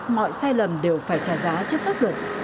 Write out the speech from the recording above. mọi sai lầm đều phải trả giá trước pháp luật